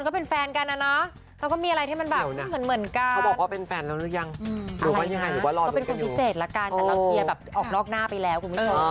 ก็เป็นคนพิเศษละกันแต่เราเชียร์แบบออกนอกหน้าไปแล้วคุณวิทย์